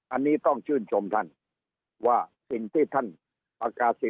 อันนี้ต้องชื่นชมท่านว่าสิ่งที่ท่านประกาศิษ